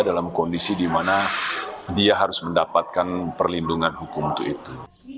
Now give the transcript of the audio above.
dalam kondisi di mana dia harus mendapatkan perlindungan hukum untuk itu